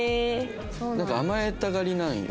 なんか甘えたがりなんよ。